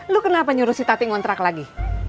lu kenapa nyuruh si tati ngontrak lagi